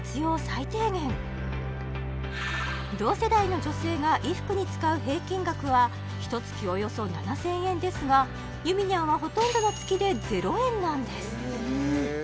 最低限同世代の女性が衣服に使う平均額はひと月およそ７０００円ですがゆみにゃんはほとんどの月で０円なんです